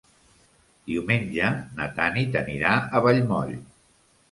Diumenge na Tanit anirà a Vallmoll.